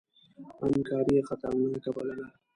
همکاري یې خطرناکه بلله.